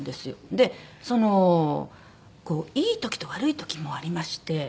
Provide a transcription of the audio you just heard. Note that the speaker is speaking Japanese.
でそのいい時と悪い時もありまして。